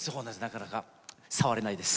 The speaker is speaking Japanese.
なかなか触れないです。